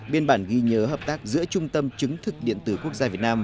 biên bản ghi nhớ hợp tác giữa trung tâm chứng thực điện tử quốc gia việt nam